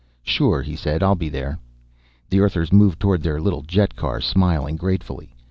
"Sure," he said. "I'll be there." The Earthers moved toward their little jetcar, smiling gratefully.